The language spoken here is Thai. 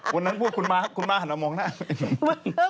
วันนั้นพวกคุณมาคุณมาหนอมองหน้ามี